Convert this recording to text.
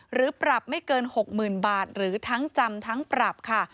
หรือปรับไม่เกิน๖๐๐๐บาทหรือทั้งจำทั้งปรับค่ะ